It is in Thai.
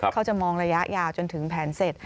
เขาจะมองระยะยาวจนถึงแผนเสร็จ